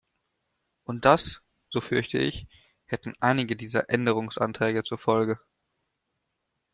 Und das, so fürchte ich, hätten einige dieser Änderungsanträge zur Folge.